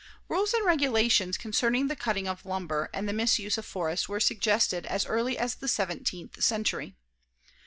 Rules and regulations concerning the cutting of lumber and the misuse of forests were suggested as early as the seventeenth century.